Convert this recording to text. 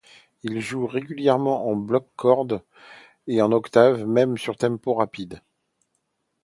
Il joue régulièrement en Block chords et en octaves, même sur tempo rapide.